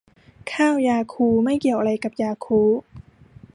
ข้าวยาคู ไม่เกี่ยวอะไรกับยาคูลท์